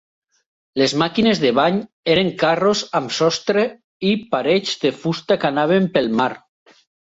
Les màquines de bany eren carros amb sostre i parets de fusta que anaven pel mar.